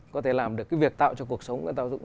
có thể làm được cái việc tạo cho cuộc sống